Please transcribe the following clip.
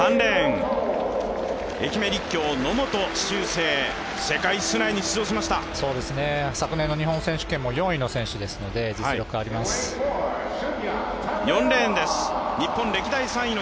野本選手、昨年の日本選手権も４位の選手ですので実力あります。